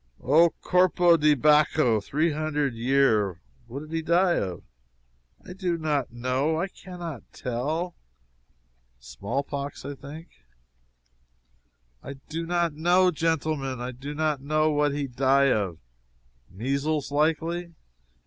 "Oh, corpo di Baccho! three hundred year!" "What did he die of?" "I do not know! I can not tell." "Small pox, think?" "I do not know, genteelmen! I do not know what he die of!" "Measles, likely?"